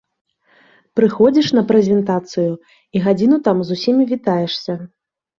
Прыходзіш на прэзентацыю і гадзіну там з усімі вітаешся.